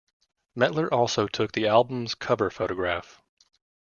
Mettler also took the album's cover photograph.